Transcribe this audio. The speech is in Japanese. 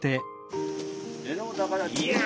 いや！